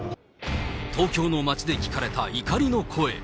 東京の街で聞かれた怒りの声。